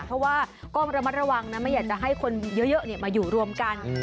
เพราะว่าก็ระมัดระวังนะไม่อยากจะให้คนเยอะมาอยู่รวมกัน